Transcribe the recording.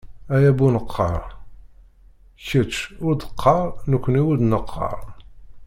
Ay abuneqqar: kečč ur d-qqar, nekkni ur d-neqqar!